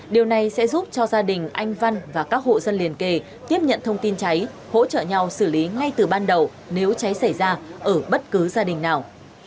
điều này sẽ giúp cho gia đình anh văn và các hộ dân liên kề tiếp nhận thông tin cháy hỗ trợ nhau xử lý ngay từ ban đầu nếu cháy xảy ra ở bất cứ gia đình nào